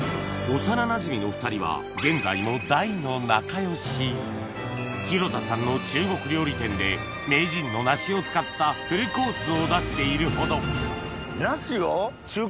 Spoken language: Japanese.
幼なじみの２人は現在も廣田さんの中国料理店で名人の梨を使ったフルコースを出しているほど梨を中華に使う。